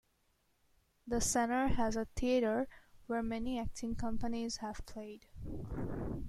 The centre has a theater, where many acting companies have played.